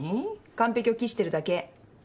完璧を期してるだけ。